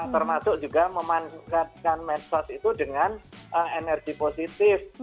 termasuk juga memanfaatkan medsos itu dengan energi positif